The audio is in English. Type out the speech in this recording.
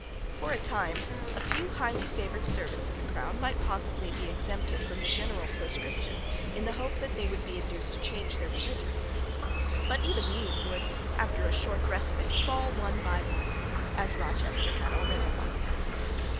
For a time a few highly favoured servants of the crown might possibly be exempted from the general proscription in the hope that they would be induced to change their religion. But even these would, after a short respite, fall one by one, as Rochester had already fallen.